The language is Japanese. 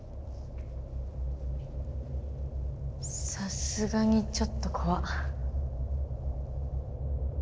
さすがにちょっとこわ。